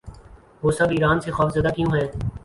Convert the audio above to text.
وہ سب ایران سے خوف زدہ کیوں ہیں؟